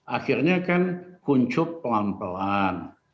akhirnya kan kuncup pelan pelan